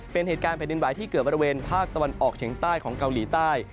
เป็นเหตุการณ์แผ่นดินไหวที่เกิดบริเวณภาคตะวันออกเฉียงใต้ของเกาหลีใต้